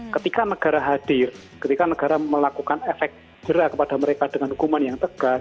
ketika negara hadir ketika negara melakukan efek jerah kepada mereka dengan hukuman yang tegas